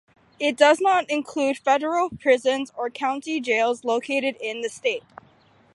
It does not include federal prisons or county jails located in that State.